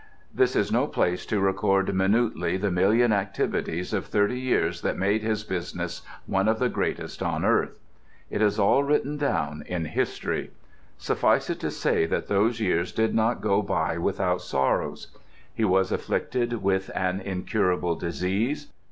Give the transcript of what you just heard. This is no place to record minutely the million activities of thirty years that made his business one of the greatest on earth. It is all written down in history. Suffice it to say that those years did not go by without sorrows. He was afflicted with an incurable disease.